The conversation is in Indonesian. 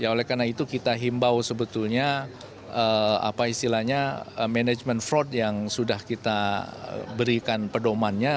oleh karena itu kita himbau sebetulnya manajemen fraud yang sudah kita berikan pedomannya